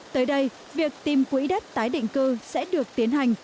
tới đây việc tìm quỹ đất tái định cư sẽ được tiến hành